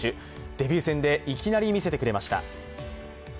デビュー戦でいきなり見せてくれました。